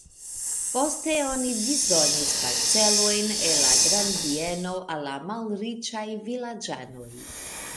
Poste oni disdonis parcelojn el la grandbieno al la malriĉaj vilaĝanoj.